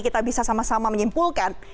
kita bisa sama sama menyimpulkan